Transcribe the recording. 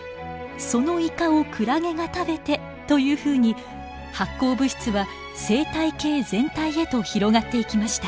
そのイカをクラゲが食べてというふうに発光物質は生態系全体へと広がっていきました。